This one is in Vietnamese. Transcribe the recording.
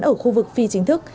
ở khu vực phi chính thức